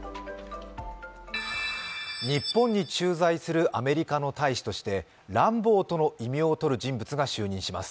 日本に駐在するアメリカの大使としてランボーとの異名をとる人物が就任します。